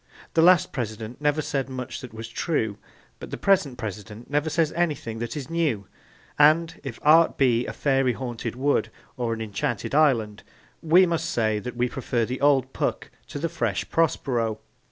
The last President never said much that was true, but the present President never says anything that is new; and, if art be a fairy haunted wood or an enchanted island, we must say that we prefer the old Puck to the fresh Prospero.